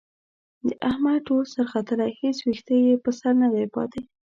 د احمد ټول سر ختلی، هېڅ وېښته یې په سر ندی پاتې.